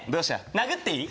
殴っていい？